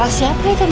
ang keluarin aku dong